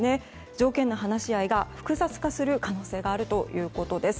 条件の話し合いが複雑化する可能性があるということです。